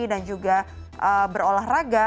dan juga berolahraga